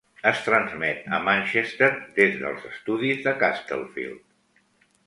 Es transmet a Manchester des dels estudis de Castlefield.